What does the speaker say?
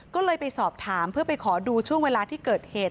ก็เลยไปสอบถามเพื่อไปขอดูช่วงเวลาที่เกิดเหตุ